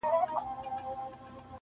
له سهاره تر ماښامه په غیبت وي -